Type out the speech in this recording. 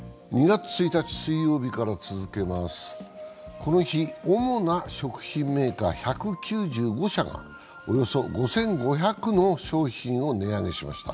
この日、主な食品メーカー１９５社がおよそ５５００の商品を値上げしました。